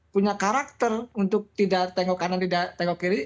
punya karakter untuk tidak tengok kanan tidak tengok kiri